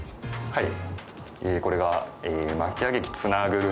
はい。